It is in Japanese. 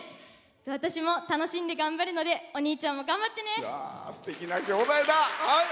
私も楽しんで頑張るのでお兄ちゃんも頑張ってね！